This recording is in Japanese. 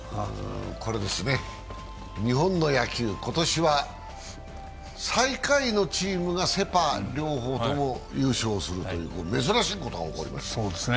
日本の野球、今年は最下位のチームがセ・パ両方とも優勝するという珍しいことが起こりました。